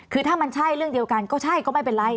คือถ้ามันใช่เรื่องเดียวกันก็ใช่ก็ไม่เป็นไร